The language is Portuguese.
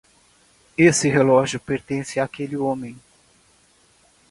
Esse relógio pertence àquele homem.